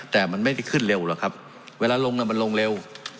แต่มันไม่ได้ขึ้นเร็วหรอกครับเวลาลงมันลงเร็ว